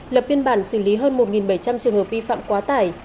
lập biên bản xử lý hơn một bảy trăm linh trường hợp vi phạm quá tải